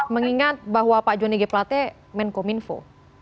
mengingat bahwa pak joni g plete menkominfo